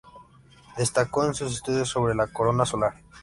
Destacó en sus estudios sobre la corona solar.